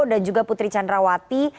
dan juga putri candrawati